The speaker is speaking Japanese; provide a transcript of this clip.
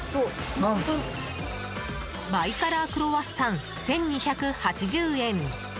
バイカラークロワッサン１２８０円。